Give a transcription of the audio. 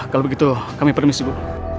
kalau begitu kami permisi bu